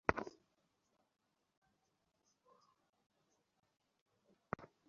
কতবার আমাকে এখানে ফিরে আসতে হবে?